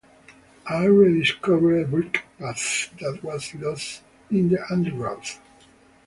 I rediscovered a brick path that was lost in the undergrowth.